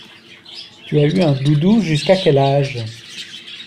Tu as eu un doudou jusqu'à quel âge?